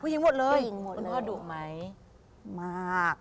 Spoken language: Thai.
หญิงหมดเลยคุณพ่อดุไหมมาก